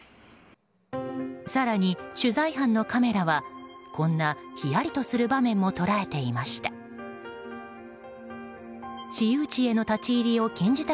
更に取材班のカメラはこんなひやりとする場面も捉えていました。